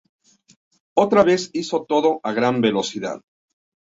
Otra vez hizo todo a gran velocidad.